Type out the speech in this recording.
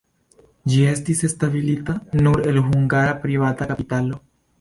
Ĝi estis establita nur el hungara privata kapitalo.